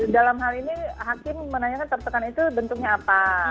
dalam hal ini hakim menanyakan tertekan itu bentuknya apa